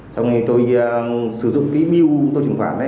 trong khi tôi sử dụng cái mưu tôi truyền khoản